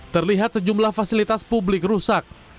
terlihat sejumlah fasilitas publik rusak